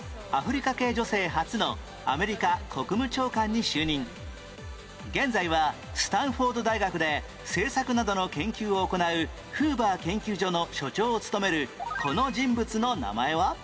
１８年前現在はスタンフォード大学で政策などの研究を行うフーバー研究所の所長を務めるこの人物の名前は？